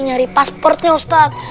nyari pasportnya ustadz